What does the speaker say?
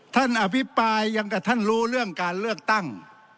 ท่านอภิปรายยังแต่ท่านรู้เรื่องการเลือกตั้ง